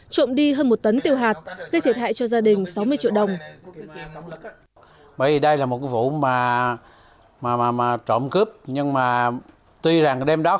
trộm đi hơn một tấn tiêu hạt gây thiệt hại cho gia đình sáu mươi triệu đồng